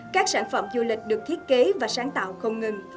các sản phẩm du lịch được thiết kế và sáng tạo không ngừng